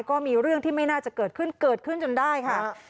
ก็มีเรื่องที่ไม่น่าจะเกิดขึ้นเกิดขึ้นจนได้ค่ะ